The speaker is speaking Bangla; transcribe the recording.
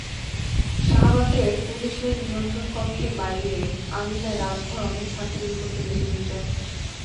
শাহবাগের পুলিশের নিয়ন্ত্রণকক্ষের বাইরের আঙিনায় রাতভর অনেক ছাত্রের ওপর চলেছে নির্যাতন।